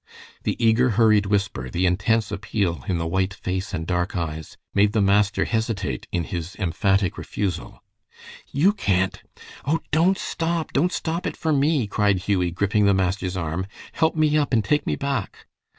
The eager, hurried whisper, the intense appeal in the white face and dark eyes, made the master hesitate in his emphatic refusal. "You can't " "Oh, don't stop! Don't stop it for me," cried Hughie, gripping the master's arm. "Help me up and take me back."